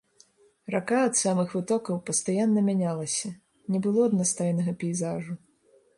Рака ад самых вытокаў пастаянна мянялася, не было аднастайнага пейзажу.